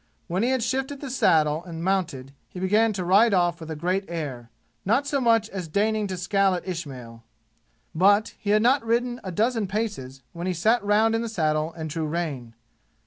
When he had shifted the saddle and mounted, he began to ride off with a great air, not so much as deigning to scowl at Ismail. But he had not ridden a dozen paces when he sat round in the saddle and drew rein.